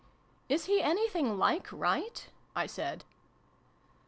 "Is he anything like right ?" I said.